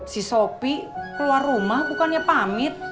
si sopi keluar rumah bukannya pamit